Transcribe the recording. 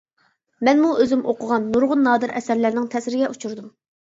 مەنمۇ ئۆزۈم ئوقۇغان نۇرغۇن نادىر ئەسەرلەرنىڭ تەسىرىگە ئۇچۇردۇم.